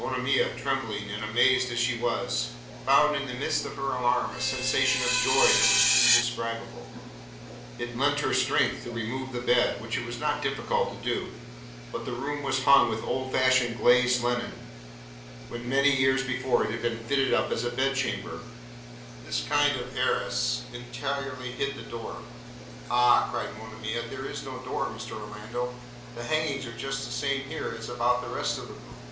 Monimia, trembling and amazed as she was, found in the midst of her alarm a sensation of joy that was undescribable. It lent her strength to remove the bed, which it was not difficult to do; but the room was hung with old fashioned glazed linen, when many years before it had been fitted up as a bed chamber: this kind of arras entirely hid the door. 'Ah!' cried Monimia, 'there is no door, Mr Orlando. The hangings are just the same here as about the rest of the room.'